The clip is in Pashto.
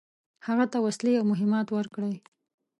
هغه ته وسلې او مهمات ورکړي.